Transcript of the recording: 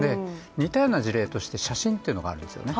似たような事例として写真というのがあるんですよね。